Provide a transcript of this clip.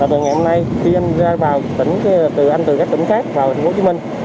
từ ngày hôm nay khi anh ra vào tỉnh từ anh từ các tỉnh khác vào thành phố hồ chí minh